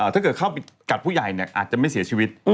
ถ้าเกิดเข้าไปกัดผู้ใหญ่อาจจะไม่เสียชีวิต